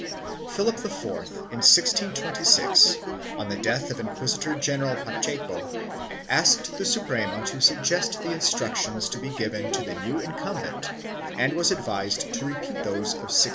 4 Philip IV, in 1626, on the death of Inquisitor general Pacheco, asked the Suprema to suggest the instructions to be given to the new incumbent and was advised to repeat those of 1608.